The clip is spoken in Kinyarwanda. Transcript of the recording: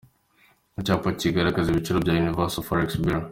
Icyapa kigaragaza ibiciro bya Universal forex bureau.